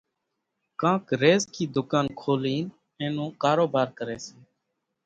ڪانڪ ريزڪِي ۮُڪان کولينَ ين نون ڪاروڀار ڪريَ سي۔